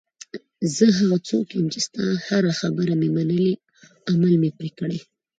زه هغه څوک یم چې ستا هره خبره مې منلې، عمل مې پرې کړی.